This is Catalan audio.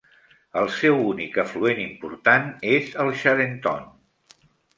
El seu únic afluent important és Charentonne.